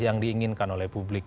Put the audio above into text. yang diinginkan oleh publik